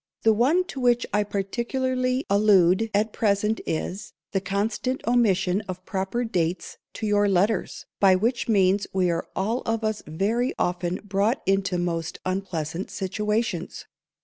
The one to which I particularly _allude _at present is, the constant omission of proper dates to your letters, by which means we are all of us very often brought into most unpleasant _situations.